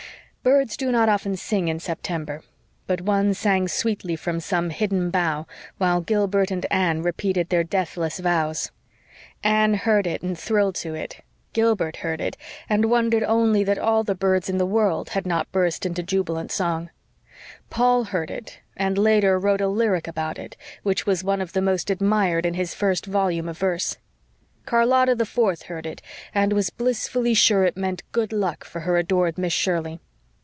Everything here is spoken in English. Birds do not often sing in September, but one sang sweetly from some hidden bough while Gilbert and Anne repeated their deathless vows. Anne heard it and thrilled to it; Gilbert heard it, and wondered only that all the birds in the world had not burst into jubilant song; Paul heard it and later wrote a lyric about it which was one of the most admired in his first volume of verse; Charlotta the Fourth heard it and was blissfully sure it meant good luck for her adored Miss Shirley.